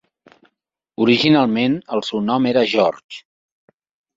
Originalment el seu nom era George.